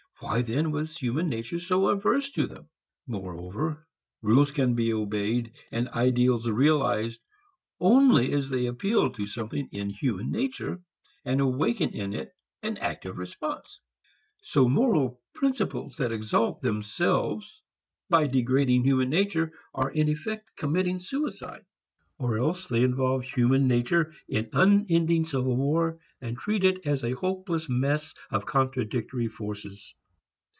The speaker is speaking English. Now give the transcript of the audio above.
Why then was human nature so averse to them? Moreover rules can be obeyed and ideals realized only as they appeal to something in human nature and awaken in it an active response. Moral principles that exalt themselves by degrading human nature are in effect committing suicide. Or else they involve human nature in unending civil war, and treat it as a hopeless mess of contradictory forces.